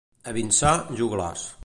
A Vinçà, joglars.